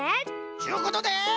ちゅうことで！